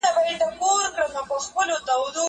کېدای سي تکړښت ستونزي ولري!!